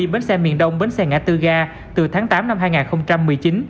bến xe miền đông bến xe ngã tư ga từ tháng tám năm hai nghìn một mươi chín